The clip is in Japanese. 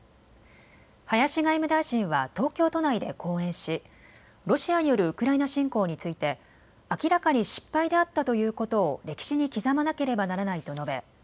林外務大臣は東京都内で講演しロシアによるウクライナ侵攻について明らかに失敗であったということを歴史に刻まなければならないと述べ